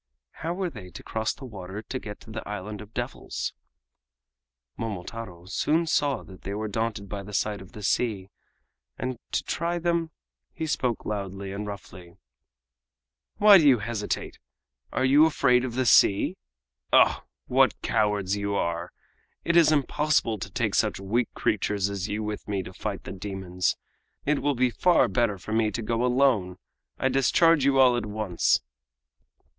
How were they to cross the water and get to the Island of Devils? Momotaro soon saw that they were daunted by the sight of the sea, and to try them he spoke loudly and roughly: "Why do you hesitate? Are you afraid of the sea? Oh! what cowards you are! It is impossible to take such weak creatures as you with me to fight the demons. It will be far better for me to go alone. I discharge you all at once!"